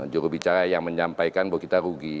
jurubicara yang menyampaikan bahwa kita rugi